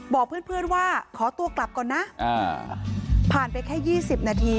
บอกเพื่อนเพื่อนว่าขอตัวกลับก่อนน่ะอ่าผ่านไปแค่ยี่สิบนาที